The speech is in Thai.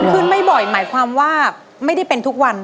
ไม่บ่อยหมายความว่าไม่ได้เป็นทุกวัน